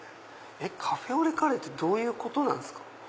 カフェオレカレーってどういうことなんすか？